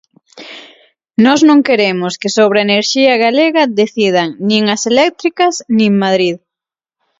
Nós non queremos que sobre a enerxía galega decidan nin as eléctricas nin Madrid.